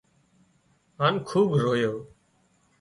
هانَ خوٻ رويو